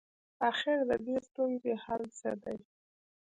اخر ددې ستونزي حل څه دی؟